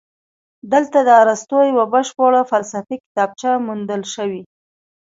دلته د ارسطو یوه بشپړه فلسفي کتابچه موندل شوې